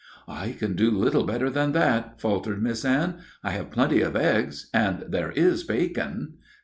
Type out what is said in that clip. "I can do a little better than that," faltered Miss Anne. "I have plenty of eggs and there is bacon."